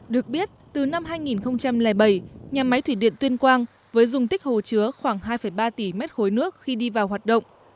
được biết từ năm hai nghìn bảy nhà máy thủy điện tuyên quang với dùng tích hồ chứa khoảng hai ba tỷ m ba nước khi đi vào hoạt động